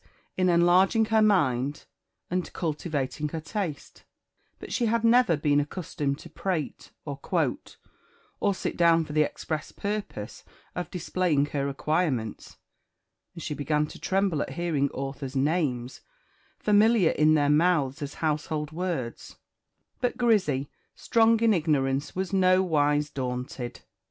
in enlarging her mind and cultivating her taste; but she had never been accustomed to prate, or quote, or sit down for the express purpose of displaying her acquirements; and she began to tremble at hearing authors' names "familiar in their mouths as household words;" but Grizzy, strong in ignorance, was no wise daunted.